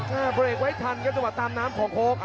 น่าเปลี่ยนไว้ทันตามน้ำของโค๊ก